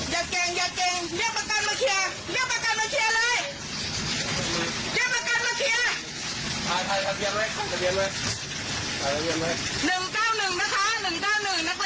เก่งอย่าเก่งเรียกประกันมาเคลียร์เรียกประกันมาเคลียร์เลย